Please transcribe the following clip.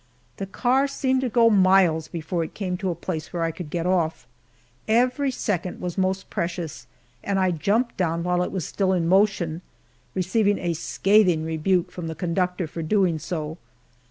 The car seemed to go miles before it came to a place where I could get off. Every second was most precious and I jumped down while it was still in motion, receiving a scathing rebuke from the conductor for doing so.